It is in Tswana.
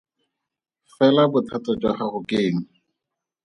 Fela bothata jwa gago ke eng?